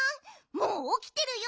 もうおきてるよ